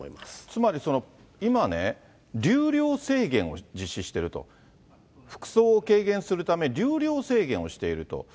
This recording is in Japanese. つまり今ね、流量制限を実施していると、ふくそうを軽減するため、流量制限をしていると。